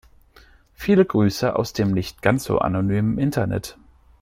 Viele Grüße aus dem nicht ganz so anonymen Internet.